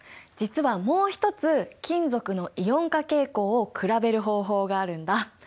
実はもう一つ金属のイオン化傾向を比べる方法があるんだ。